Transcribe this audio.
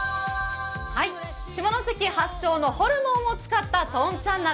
下関発祥のホルモンを使ったとんちゃん鍋。